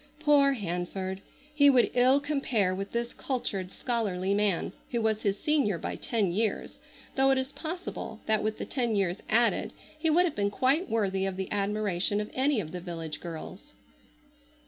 Poor Hanford! He would ill compare with this cultured scholarly man who was his senior by ten years, though it is possible that with the ten years added he would have been quite worthy of the admiration of any of the village girls.